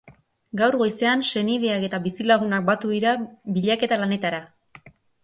Gaur goizean senideak eta bizilagunak batu dira bilaketa lanetara.